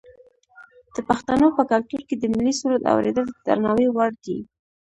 د پښتنو په کلتور کې د ملي سرود اوریدل د درناوي وړ دي.